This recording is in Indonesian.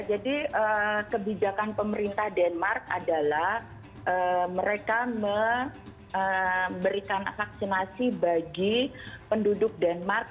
jadi kebijakan pemerintah denmark adalah mereka memberikan vaksinasi bagi penduduk denmark